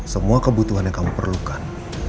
semua kebutuhan yang kamu perlukan